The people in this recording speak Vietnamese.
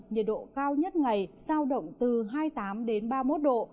nhiệt độ cao nhất ngày sao động từ hai mươi tám ba mươi một độ